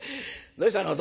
どうしたの？